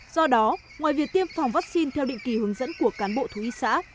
do đó ngoài việc tiêm phòng vắc xin theo định kỳ hướng dẫn của cán bộ thú y xã